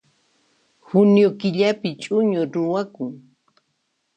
Junio killapi ch'uñu ruwakun